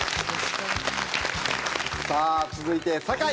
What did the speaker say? さあ続いて坂井。